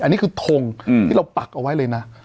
อันนี้คือทงที่เราปักเอาไว้เลยนะ